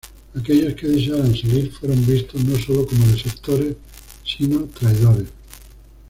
Aquellos que desearan salir fueron vistos no sólo como desertores, sino traidores.